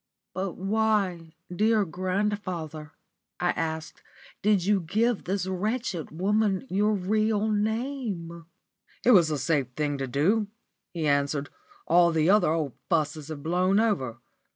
"But why, dear grandfather," I asked, "did you give this wretched woman your real name?" "It was a safe thing to do," he answered. "All the old fusses have blown over.